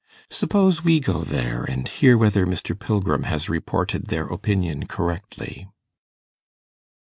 Suppose we go there, and hear whether Mr. Pilgrim has reported their opinion correctly.